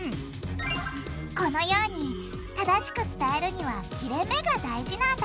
このように正しく伝えるには切れめが大事なんだ！